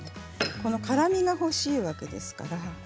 この辛みが欲しいわけですから。